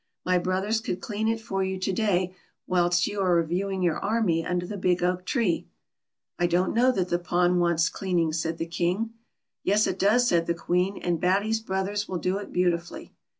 My brothers could clean it for you to day, whilst you are reviewing your army under the big oak tree." " I don't know that the pond wants cleaning," said tht; King. BATTY. 209 " Yes, it does," said the Queen, " and Batty's brothers will do it beautifully."